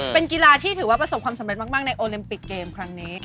เป็นกีฬาที่ถือว่าประสบความสำเร็จมากในโอลิมปิกเกมครั้งนี้